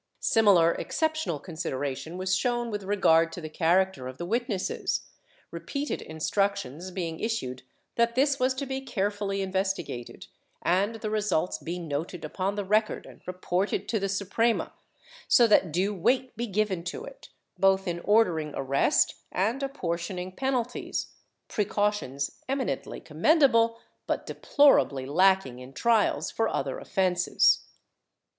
^ Similar exceptional consideration was shown with regard to the character of the witnesses, repeated instructions being issued that this was to be carefully investigated, and the results be noted upon the record and reported to the Suprema, so that due weight be given to it, both in ordering arrest and apportioning penalties— precautions eminently commendable, but deplorably lacking in trials for other offences."